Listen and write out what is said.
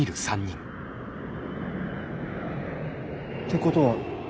てことは。